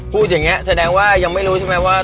พูดอย่างนี้แสดงว่ายังไม่รู้ใช่ไหมว่า